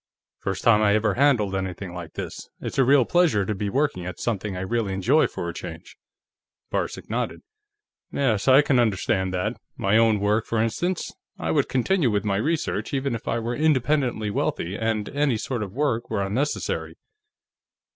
First time I ever handled anything like this; it's a real pleasure to be working at something I really enjoy, for a change." Varcek nodded. "Yes, I can understand that. My own work, for instance. I would continue with my research even if I were independently wealthy and any sort of work were unnecessary."